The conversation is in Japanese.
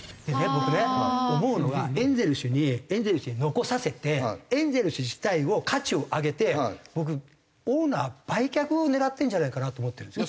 僕ね思うのがエンゼルスにエンゼルスに残させてエンゼルス自体を価値を上げて僕オーナー売却を狙ってるんじゃないかなと思ってるんですよ。